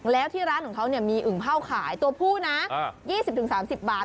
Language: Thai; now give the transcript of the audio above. แล้วที่ร้านของเขามีอึ่งเ่าขายตัวผู้นะ๒๐๓๐บาท